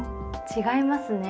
違いますね。